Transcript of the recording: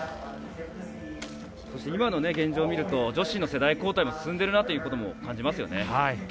今の現状見ると女子の世代交代も進んでるなということも感じますよね。